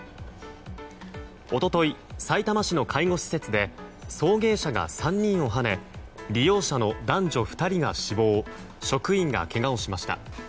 一昨日、さいたま市の介護施設で送迎車が３人をはね利用者の男女２人が死亡職員がけがをしました。